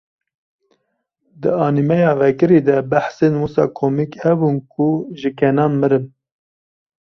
Di anîmeya vekirî de behsên wisa komîk hebûn ku ji kenan mirim.